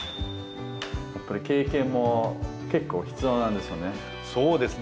やっぱり経験も結構必要なんですよね？